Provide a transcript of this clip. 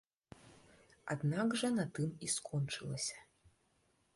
Аднак жа на тым і скончылася.